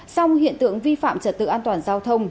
song hiện tượng vi phạm trật tự an toàn giao thông